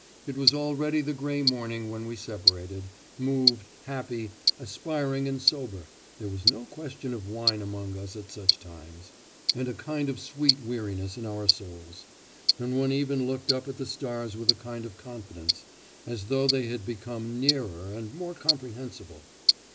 It was already the grey morning when we separated, moved, happy, aspiring and sober (there was no question of wine among us at such times) with a kind of sweet weariness in our souls... and one even looked up at the stars with a kind of confidence, as though they had become nearer and more comprehensible.